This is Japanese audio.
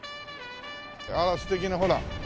あら素敵なほら。